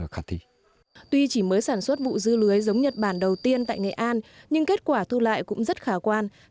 cả về sản xuất vụ dưa lưới giống nhật bản đầu tiên tại nghệ an